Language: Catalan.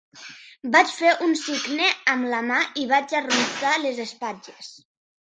Vaig fer un signe amb la mà i vaig arronsar les espatlles.